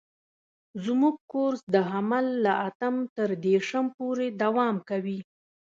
زموږ کورس د حمل له اتم تر دېرشم پورې دوام کوي.